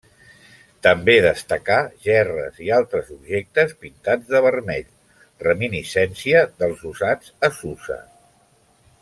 També destacar gerres i altres objectes pintats de vermell, reminiscència dels usats a Susa.